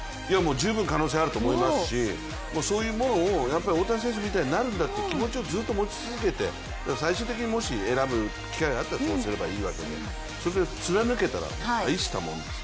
十分に可能性あると思いますしそういうものを大谷選手みたいになるんだという気持ちを持ち続けて最終的にもし選ぶ機会があったらそうすればいいんだし、それを貫けたら、たいしたもんですよ。